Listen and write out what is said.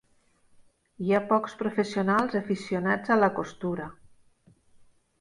Hi ha pocs professionals aficionats a la costura.